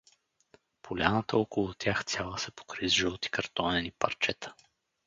Поляната около тях цяла се покри с жълти картонени парчета.